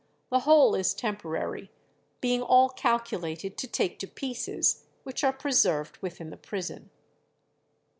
the whole is temporary, being all calculated to take to pieces, which are preserved within the prison."